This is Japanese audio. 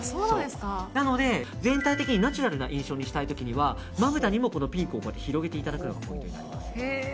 なので全体的にナチュラルな印象にしたい時にはまぶたにもピンクを広げたいただくのがいいです。